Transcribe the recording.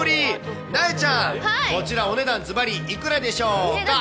なえちゃん、こちら、お値段ずばりいくらでしょうか。